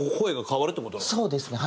そうですね。